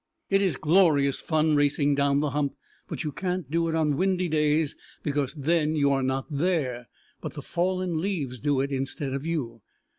It is glorious fun racing down the Hump, but you can't do it on windy days because then you are not there, but the fallen leaves do it instead of you.